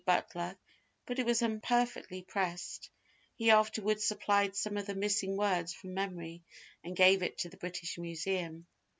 Butler, but it was imperfectly pressed; he afterwards supplied some of the missing words from memory, and gave it to the British Museum.